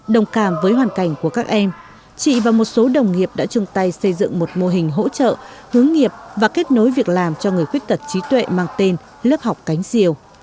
đồng cảm với hoàn cảnh của các em chị và một số đồng nghiệp đã chung tay xây dựng một mô hình hỗ trợ hướng nghiệp và kết nối việc làm cho người khuyết tật trí tuệ mang tên lớp học cánh diều